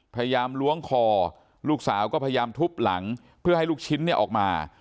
พยายามล้วงคอลูกสาวก็พยายามทุบหลังเพื่อให้ลูกชิ้นออกมา